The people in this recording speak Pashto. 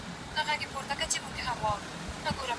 د کلمو سمه پېژندنه په املا پوري تړلې ده.